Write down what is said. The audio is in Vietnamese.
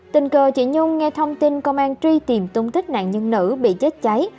tình cờ chị nhung nghe thông tin công an truy tìm tung tích nạn nhân nữ bị chết cháy